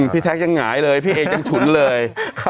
แท็กยังหงายเลยพี่เอกยังฉุนเลย